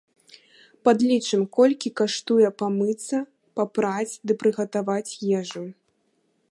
Падлічым, колькі каштуе памыцца, папраць ды прыгатаваць ежу.